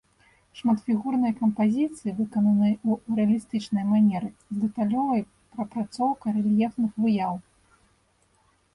Шматфігурныя кампазіцыі выкананы ў рэалістычнай манеры, з дэталёвай прапрацоўкай рэльефных выяў.